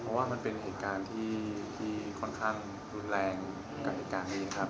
เพราะว่ามันเป็นเหตุการณ์ที่ค่อนข้างรุนแรงกับเหตุการณ์นี้ครับ